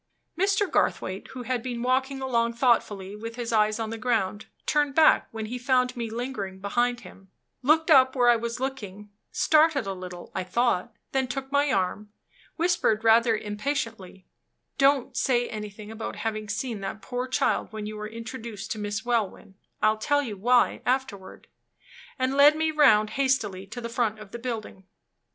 Mr. Garthwaite, who had been walking along thoughtfully, with his eyes on the ground, turned back when he found me lingering behind him; looked up where I was looking; started a little, I thought; then took my arm, whispered rather impatiently, "Don't say anything about having seen that poor child when you are introduced to Miss Welwyn; I'll tell you why afterward," and led me round hastily to the front of the building.